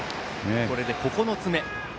これで９つ目。